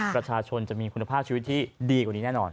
ประชาชนจะมีคุณภาพชีวิตที่ดีกว่านี้แน่นอน